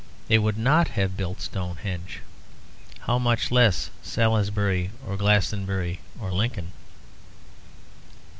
They would not have built Stonehenge; how much less Salisbury or Glastonbury or Lincoln.